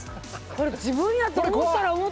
これ自分やと思ったらもう。